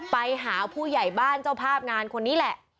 ไปหาผู้ใหญ่บ้านเจ้าภาพงานคนนี้แหละ